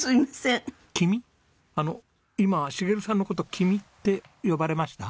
あの今茂さんの事「君」って呼ばれました？